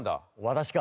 私か。